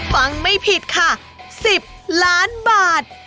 ฟังไม่ผิดค่ะ๑๐ล้านบาท